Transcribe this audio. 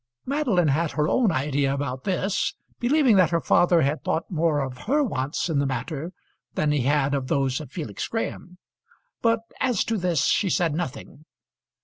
Madeline had her own idea about this, believing that her father had thought more of her wants in the matter than he had of those of Felix Graham; but as to this she said nothing.